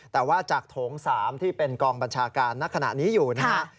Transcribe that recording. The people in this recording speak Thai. แต่ว่าจากโถง๓ที่เป็นกองบัญชาการณขณะนี้อยู่นะฮะ